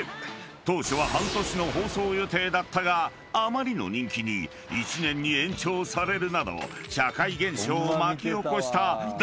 ［当初は半年の放送予定だったがあまりの人気に１年に延長されるなど社会現象を巻き起こした大ヒットドラマ］